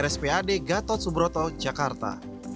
spad gatot subroto jakarta